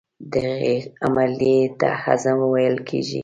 دغې عملیې ته هضم ویل کېږي.